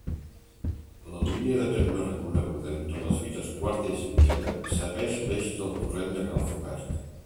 La línia de terme reconeguda entre les fites quarta i cinquena segueix l'eix del torrent de Cal Robert.